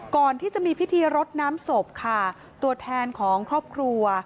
ก่อนที่จะมีพิธีรดน้ำศพค่ะตัวแทนของครอบครัว